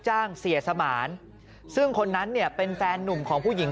จ้างเสียสมานซึ่งคนนั้นเนี่ยเป็นแฟนนุ่มของผู้หญิง